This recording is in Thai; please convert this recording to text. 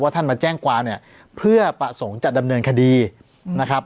ท่านมาแจ้งความเนี่ยเพื่อประสงค์จะดำเนินคดีนะครับ